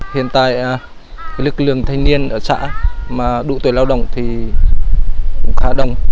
hiện tại lực lượng thanh niên ở xã mà đủ tuổi lao động thì khá đông